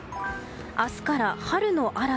明日から春の嵐。